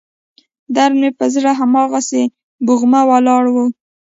درد مې پر زړه هماغسې بوغمه ولاړ و.